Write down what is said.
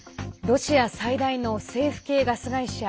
ロシア最大の政府系ガス会社